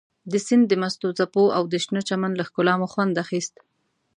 د سیند د مستو څپو او د شنه چمن له ښکلا مو خوند اخیست.